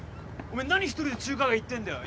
おめえ何１人で中華街行ってんだよ。